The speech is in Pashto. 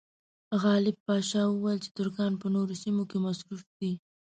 غالب پاشا وویل چې ترکان په نورو سیمو کې مصروف دي.